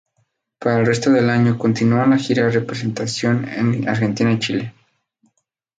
Para el resto del año, continúan la gira presentación en Argentina y Chile.